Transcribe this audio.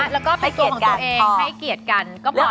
แล้วก็เป็นตัวของตัวเองให้เกียรติกันก็พอแล้ว